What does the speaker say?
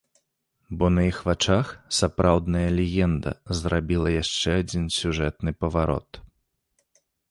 Бо на іх вачах сапраўдная легенда зрабіла яшчэ адзін сюжэтны паварот.